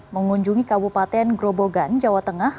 mengunjungi kabupaten grobogan jawa tengah